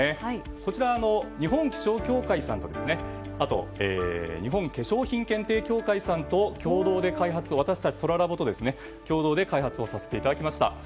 こちら、日本気象協会さんとあとは日本化粧品検定協会さんと私たちそらラボと共同で開発をさせていただきました。